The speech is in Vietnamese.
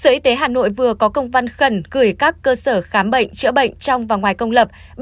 sở y tế hà nội vừa có công văn khẩn gửi các cơ sở khám bệnh chữa bệnh trong và ngoài công lập